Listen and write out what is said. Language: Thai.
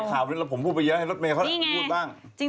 หลายข่าวแล้วผมพูดไปเยอะให้รถเมฆเขาพูดบ้าง